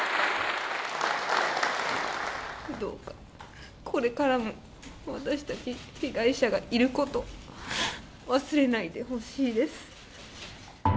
どうか、これからも私たち被害者がいることを忘れないでほしいです。